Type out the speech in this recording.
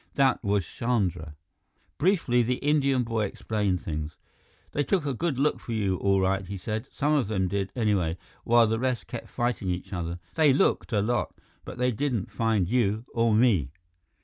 That was Chandra. Briefly, the Indian boy explained things. "They took a good look for you, all right," he said. "Some of them did, anyway, while the rest kept fighting each other. They looked a lot, but they didn't find you or me."